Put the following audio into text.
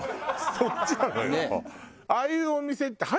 そっちなのよ。